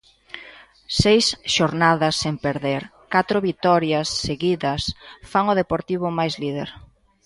Seis xornadas sen perder, catro vitorias seguida fan o Deportivo máis líder.